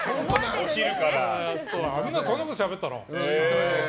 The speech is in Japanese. そんなことしゃべったの？